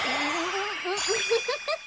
ウフフフフ。